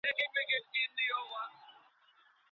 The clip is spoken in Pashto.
په قلم لیکنه کول د ښو اړیکو د ساتلو لاره ده.